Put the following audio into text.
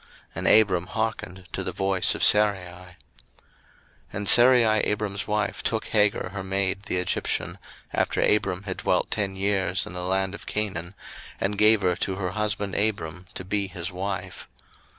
And Abram hearkened to the voice of Sarai. 01:016:003 And Sarai Abram's wife took Hagar her maid the Egyptian, after Abram had dwelt ten years in the land of Canaan, and gave her to her husband Abram to be his wife.